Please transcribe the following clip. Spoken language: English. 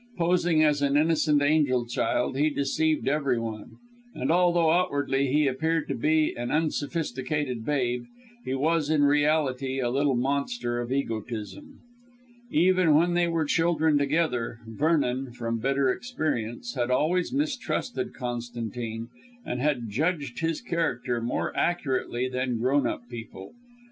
Posing as an innocent angel child, he deceived everyone, and although outwardly he appeared to be an unsophisticated babe, he was in reality a little monster of egotism. Even when they were children together, Vernon from bitter experience had always mistrusted Constantine, and had judged his character more accurately than grown up people.